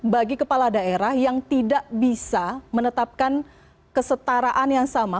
bagi kepala daerah yang tidak bisa menetapkan kesetaraan yang sama